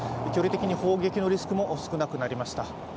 距離的に砲撃のリスクも少なくなりました。